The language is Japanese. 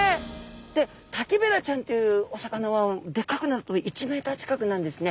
でタキベラちゃんというお魚はでかくなると１ｍ近くになるんですね。